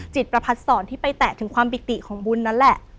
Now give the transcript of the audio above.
ประพัดสอนที่ไปแตะถึงความปิติของบุญนั่นแหละ